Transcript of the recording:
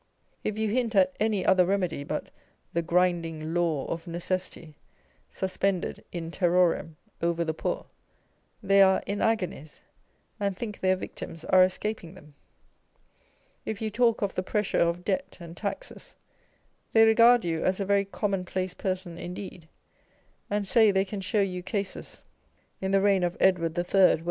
If you hint at any other remedy but "the grinding law of necessity" suspended in terror em over the poor, they are in agonies and think their victims are escaping them : if you talk of the pressure of Debt and Taxes, they regard you as a very commonplace person indeed, and say they can show you cases in the reign of The New School of Reform. 271 Edward III.